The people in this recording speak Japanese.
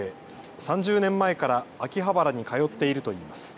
３０年前から秋葉原に通っているといいます。